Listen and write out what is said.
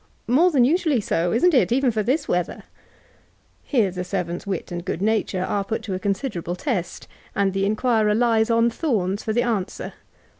—^* More than usually so, isn't it, even for this weather?^' ' (Heie tiie servant's wit and good nature are put to « con siderable test, and the inquirer lies on thorns fer the answer.)